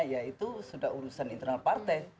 ya itu sudah urusan internal partai